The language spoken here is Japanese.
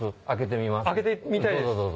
開けてみたいです。